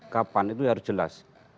kapan itu harus jelas